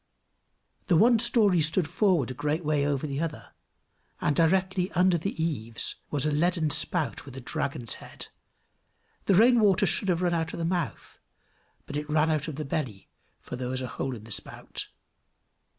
The one story stood forward a great way over the other; and directly under the eaves was a leaden spout with a dragon's head; the rain water should have run out of the mouth, but it ran out of the belly, for there was a hole in the spout.